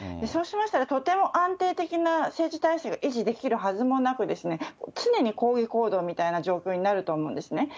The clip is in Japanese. そうしましたら、とても安定的な政治体制が維持できるはずもなく、常に抗議行動みたいな状況になると思うんですね。